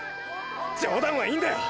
冗談はいいんだよ